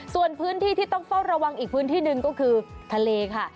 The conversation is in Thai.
ส่วนพื้นที่ที่ต้องเฝ้าระวังอีกพื้นที่หนึ่งก็คือทะเลค่ะ